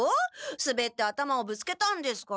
すべって頭をぶつけたんですから。